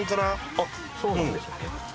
あっそうなんですね。